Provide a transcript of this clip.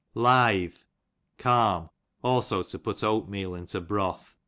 Lithe, calm ; also to put oat meal in broth.